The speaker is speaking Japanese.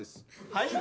はい？